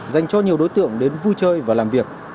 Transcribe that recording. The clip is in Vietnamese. dành cho nhiều đối tượng đến vui chơi và làm việc